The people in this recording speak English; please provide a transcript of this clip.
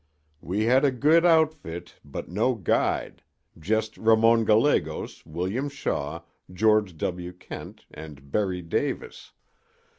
We had a good outfit but no guide—just Ramon Gallegos, William Shaw, George W. Kent and Berry Davis."